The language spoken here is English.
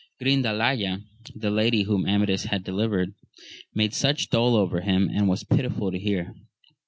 RINDALAYA, the lady whom Amadis had delivered, made such dole over him as was pitiful to hear.